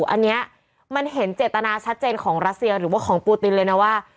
อันนี้มันเห็นเจตนาชัดเจนของรัสเซียหรือว่าของปูตินเลยนะว่า